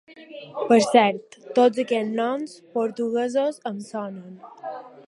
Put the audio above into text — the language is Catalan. Per cert, tots aquests noms portuguesos em sonen.